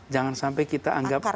jangan sampai kita anggap